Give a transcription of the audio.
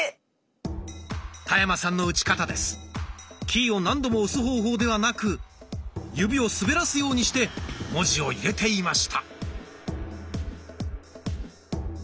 キーを何度も押す方法ではなく指を滑らすようにして文字を入れていました。